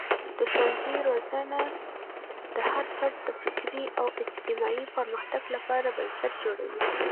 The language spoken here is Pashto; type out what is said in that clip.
د ښوونځي روزنه د هر فرد د فکري او اجتماعي پرمختګ لپاره بنسټ جوړوي.